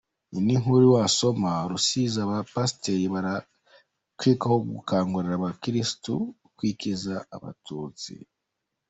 Indi nkuru wasoma: Rusizi:Abapasiteri barakekwaho gukangurira abakirisitu kwikiza Abatutsi.